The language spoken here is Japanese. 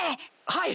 はい！